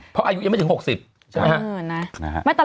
เพราะอายุมันยังไม่ถึง๖๐